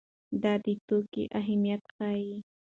دا د توکي اهميت ښيي.